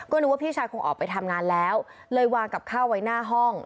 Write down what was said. นึกว่าพี่ชายคงออกไปทำงานแล้วเลยวางกับข้าวไว้หน้าห้อง